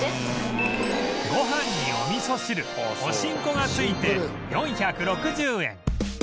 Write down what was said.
ごはんにお味噌汁お新香が付いて４６０円